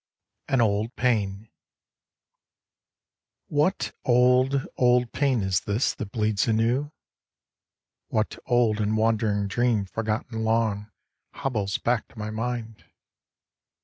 AN OLD PAIN What old, old pain is this that bleeds anew ? What old and wandering dream forgotten long Hobbles back to my mind?